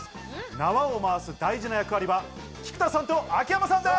縄を回す大事な役割は菊田さんと秋山さんです。